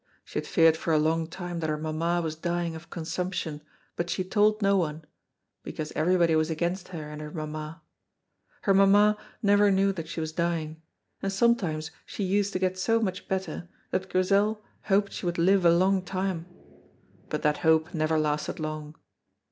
She had feared for a long time that her mamma was dying of consumption, but she told no one, because everybody was against her and her mamma. Her mamma never knew that she was dying, and sometimes she used to get so much better that Grizel hoped she would live a long time, but that hope never lasted long.